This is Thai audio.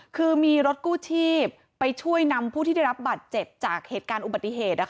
คือมีรถกู้ชีพไปช่วยนำผู้ที่ได้รับบัตรเจ็บจากเหตุการณ์อุบัติเหตุ